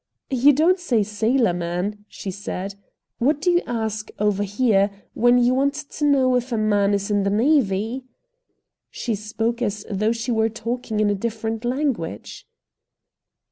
"You don't say 'sailorman,'" she said. "What do you ask, over here, when you want to know if a man is in the navy?" She spoke as though we were talking a different language.